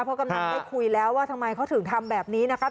เพราะกำนันได้คุยแล้วว่าทำไมเขาถึงทำแบบนี้นะคะ